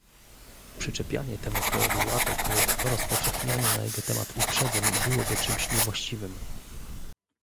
Przyczepianie temu krajowi łatek lub rozpowszechnianie na jego temat uprzedzeń byłoby czymś niewłaściwym